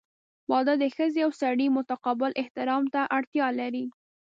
• واده د ښځې او سړي متقابل احترام ته اړتیا لري.